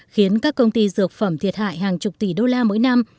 khiến các công ty dược phẩm thiệt hại hàng chục tỷ đô la mỗi năm